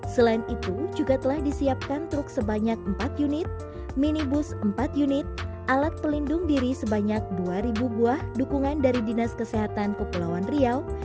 selain itu juga telah disiapkan truk sebanyak empat unit minibus empat unit alat pelindung diri sebanyak dua buah dukungan dari dinas kesehatan kepulauan riau